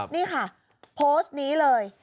นี่ค่ะโพสต์นี้เลย